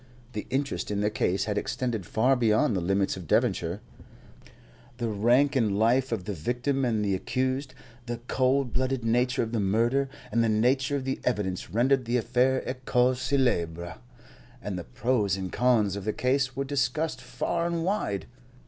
The interest in the case had extended far beyond the limits of Devonshire. The rank in life of the victim and the accused, the cold blooded nature of the murder, and the nature of the evidence rendered the affair a cause célèbre, and the pros and cons of the case were discussed far and wide.